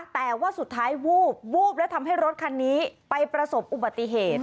แต่ว่าสุดท้ายวูบวูบและทำให้รถคันนี้ไปประสบอุบัติเหตุ